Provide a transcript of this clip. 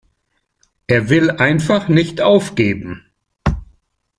Er will einfach nicht aufgeben.